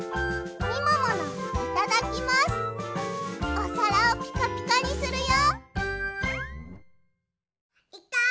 おさらをピカピカにするよ。